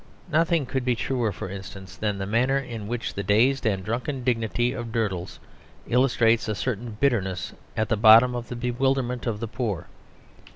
Nothing could be truer, for instance, than the manner in which the dazed and drunken dignity of Durdles illustrates a certain bitterness at the bottom of the bewilderment of the poor.